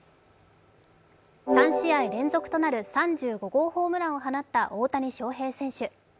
３試合連続となる３５号ホームランを放った大谷翔平選手。